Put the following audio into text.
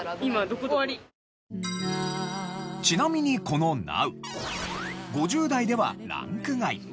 ちなみにこのなう５０代ではランク外。